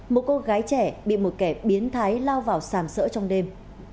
một cô gái trẻ bị một kẻ biến thái lao vào sàm sỡ trong đêm